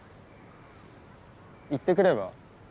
行ってくれば？